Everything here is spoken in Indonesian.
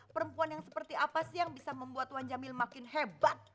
perempuan yang seperti apa sih yang bisa membuat tuan jamil makin hebat